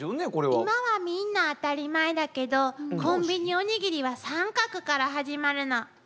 今はみんな当たり前だけどコンビニおにぎりは三角から始まるの。